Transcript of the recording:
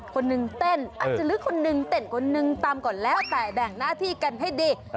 คนหนึ่งเต้นอาจจะลึกคนนึงเต้นคนหนึ่งตำก่อนแล้วแต่แบ่งหน้าที่กันให้ดี